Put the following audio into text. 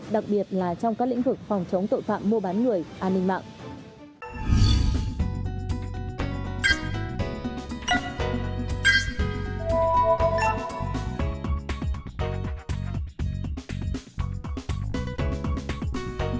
đặc biệt là trong các lĩnh vực phòng chống tội phạm mua bán người an ninh mạng